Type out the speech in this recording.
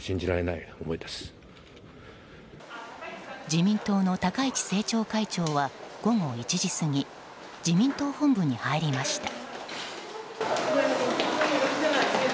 自民党の高市政調会長は午後１時過ぎ自民党本部に入りました。